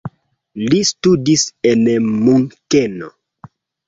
Li studis en Munkeno.